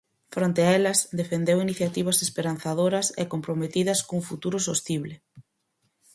Fronte a elas, defendeu iniciativas esperanzadoras e comprometidas cun futuro sostible.